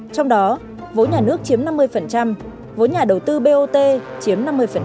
trong đó vốn nhà nước chiếm năm mươi vốn nhà đầu tư bot chiếm năm mươi